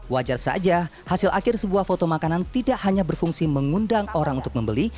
wajar saja hasil akhir sebuah foto makanan tidak hanya berfungsi mengundang orang untuk membeli